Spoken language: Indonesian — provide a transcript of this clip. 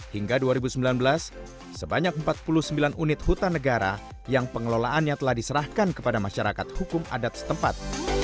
hingga dua ribu sembilan belas sebanyak empat puluh sembilan unit hutan negara yang pengelolaannya telah diserahkan kepada masyarakat hukum adat setempat